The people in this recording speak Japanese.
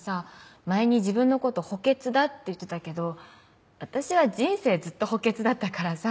前に自分のこと補欠だって言ってたけど私は人生ずっと補欠だったからさ。